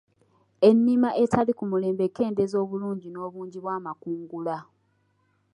Ennima etali ku mulembe ekendeeza obulungi n'obungi bw'amakungula.